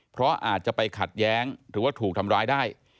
เพราะอาจจะไปขัดแย้งหรือว่าถูกทำร้ายได้